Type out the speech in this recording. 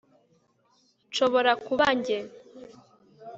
Nshobora kuba njye